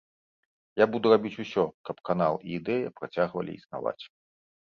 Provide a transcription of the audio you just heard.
Я буду рабіць усё, каб канал і ідэя працягвалі існаваць.